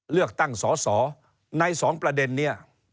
เลือกตั้งสอในสองประเด็นนี่